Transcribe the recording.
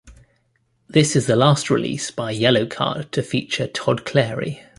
This is the last release by Yellowcard to feature Todd Clary.